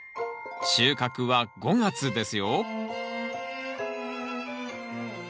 収穫は５月ですよ